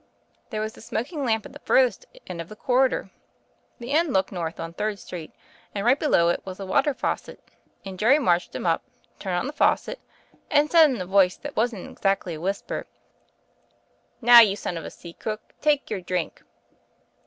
"There was a smoking lamp at the furthest end of the corridor — the end looking north on Third St., and right below it was a water faucet, and Jerry marched him up, turned on the faucet, and said in a voice that wasn't exactly a whisper, 'Now, you son of a sea cook, take your drink.'